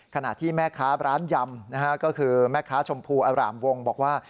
ขณะที่แม่ค้าร้านยำนะฮะก็คือแม่ค้าชมพูอร่ามวงบอกว่า